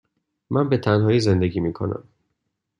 من به تنهایی زندگی می کنم.